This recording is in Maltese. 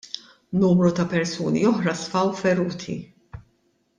Numru ta' persuni oħra sfaw feruti.